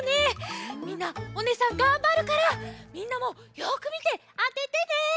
みんなおねえさんがんばるからみんなもよくみてあててね！